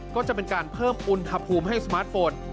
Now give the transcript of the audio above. ก็จะเป็นการเพิ่มอุณหภูมิให้สมาร์ทโฟน